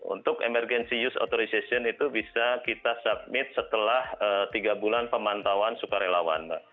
untuk emergency use authorization itu bisa kita submit setelah tiga bulan pemantauan sukarelawan mbak